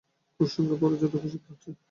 কুসঙ্গে পড়ে যত কুশিক্ষে হচ্ছে!